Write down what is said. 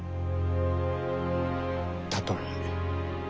「たとえ」。